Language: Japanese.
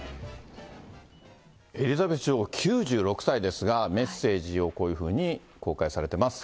エリザベス女王、９６歳ですが、メッセージをこういうふうに公開されてます。